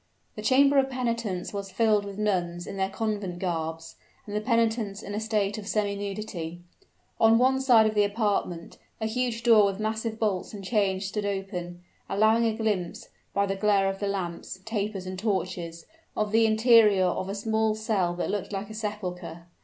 The chamber of penitence was filled with nuns in their convent garbs; and the penitents in a state of semi nudity. On one side of the apartment, a huge door with massive bolts and chains stood open, allowing a glimpse, by the glare of the lamps, tapers, and torches, of the interior of a small cell that looked like a sepulcher.